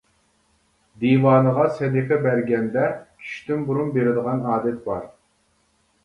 دىۋانىغا سەدىقە بەرگەندە چۈشتىن بۇرۇن بېرىدىغان ئادەت بار.